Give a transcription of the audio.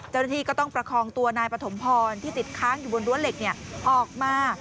เจ้าหน้าที่ก็ต้องประคองตัวนายปฐมพรที่ติดค้างอยู่บนรั้วเหล็กออกมา